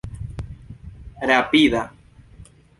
rapida